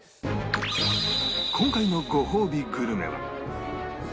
今回のごほうびグルメは